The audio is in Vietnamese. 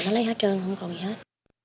nó lấy hết trơn không còn gì hết